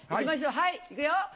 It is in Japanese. はい行くよ。